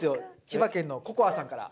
千葉県のここあさんから。